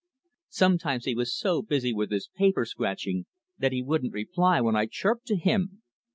Sometimes he was so busy with his "paper scratching" that he wouldn't reply when I chirped to him.